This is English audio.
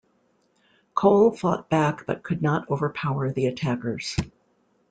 Cole fought back but could not overpower the attackers.